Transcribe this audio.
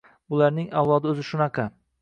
Bularning avlodi o‘zi shunaqa.